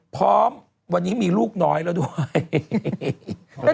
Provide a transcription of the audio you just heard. พร้อมวันนี้มีลูกน้อยแล้วด้วย